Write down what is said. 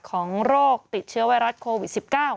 โรคติดเชื้อไวรัสโควิด๑๙